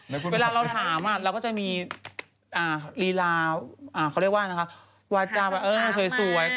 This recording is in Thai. ไม่เวลาเราถามเราก็จะมีลีลาเขาเรียกว่าวาจับเออสวย